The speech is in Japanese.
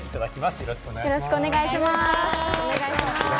よろしくお願いします。